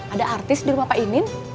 ada artis di rumah pak imin